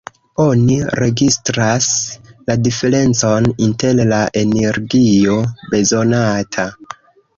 Oni registras la diferencon inter la energio bezonata.